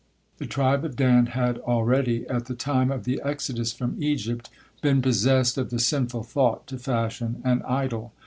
The tribe of Dan had already at the time of the exodus from Egypt been possessed of the sinful thought to fashion an idol.